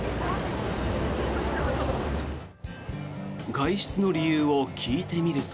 外出の理由を聞いてみると。